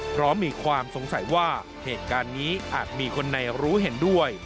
เพราะมีความสงสัยว่าเหตุการณ์นี้อาจมีคนในรู้เห็นด้วย